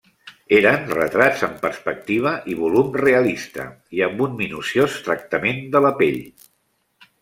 Eren retrats amb perspectiva i volum realista, i amb un minuciós tractament de la pell.